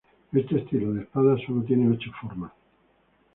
Este estilo de espada solo tiene ocho formas.